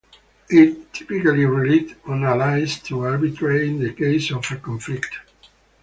It typically relied on allies to arbitrate in the case of a conflict.